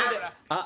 「あ」。